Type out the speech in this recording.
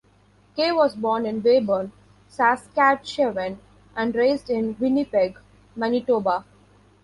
Kay was born in Weyburn, Saskatchewan, and raised in Winnipeg, Manitoba.